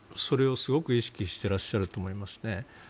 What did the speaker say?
それをすごく意識していらっしゃると思いますね。